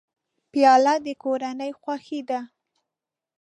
پیاله د کورنۍ خوښي ده.